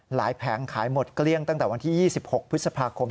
แผงขายหมดเกลี้ยงตั้งแต่วันที่๒๖พฤษภาคม